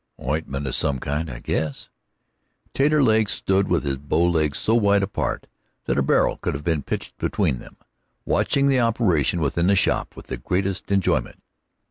"Ointment of some kind, I guess." Taterleg stood with his bow legs so wide apart that a barrel could have been pitched between them, watching the operation within the shop with the greatest enjoyment.